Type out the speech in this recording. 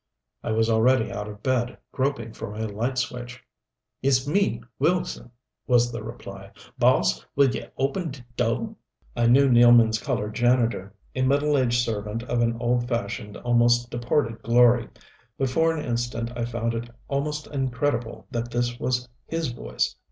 I was already out of bed, groping for my light switch. "It's me Wilkson," was the reply. "Boss, will ye open de do'?" I knew Nealman's colored janitor a middle aged servant of an old fashioned, almost departed glory but for an instant I found it almost incredible that this was his voice.